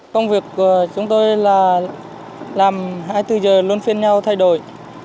công việc của chúng tôi là làm hai mươi bốn giờ luôn phiên nhau thay đổi